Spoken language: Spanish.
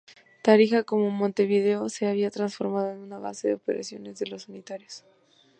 Tarija, como Montevideo, se había transformado en una base de operaciones de los unitarios.